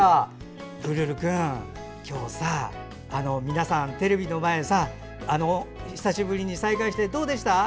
プルルくん、今日さ皆さんテレビの前、久しぶりに再会してどうでした？